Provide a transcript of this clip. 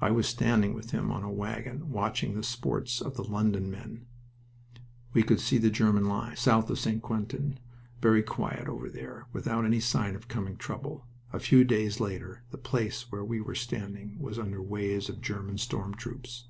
I was standing with him on a wagon, watching the sports of the London men. We could see the German lines, south of St. Quentin, very quiet over there, without any sign of coming trouble. A few days later the place where we were standing was under waves of German storm troops.